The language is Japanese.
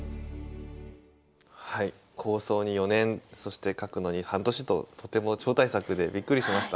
構想に４年そして描くのに半年ととても超大作でびっくりしました。